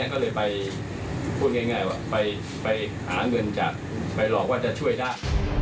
ก็เลยไปพูดง่ายว่าไปหาเงินจากไปหลอกว่าจะช่วยได้